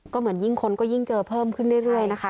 ก็เหมือนยิ่งคนก็ยิ่งเจอเพิ่มขึ้นเรื่อยนะคะ